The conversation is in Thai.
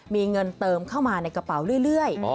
มีเงินเติมเข้ามาในกระเป๋าเรื่อย